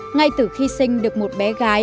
ngay từ khi sinh được một bé